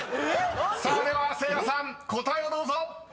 ［さあではせいやさん答えをどうぞ］